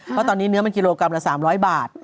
เพราะตอนนี้เนื้อมันกิโลกรัมละ๓๐๐บาท